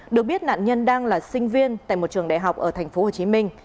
được biết nạn nhân đang là sinh viên tại một trường đại học ở thành phố hồ chí minh